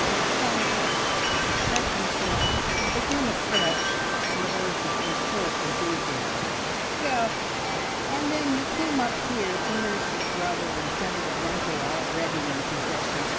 But some of us " He checked himself, and began afresh in a voice of enforced enthusiasm. "Well! and then you came up here to nurse your brother, and found the Runkle already in possession.